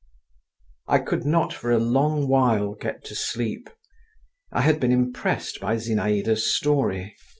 I could not for a long while get to sleep. I had been impressed by Zinaïda's story.